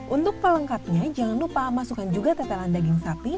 untuk pelengkapnya jangan lupa masukkan juga tetelan daging sapi